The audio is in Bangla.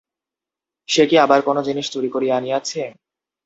সে কি আবার কোন জিনিস চুরি করিয়া আনিয়াছে?